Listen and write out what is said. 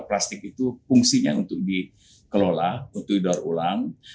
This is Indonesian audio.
plastik itu fungsinya untuk dikelola untuk di daur ulang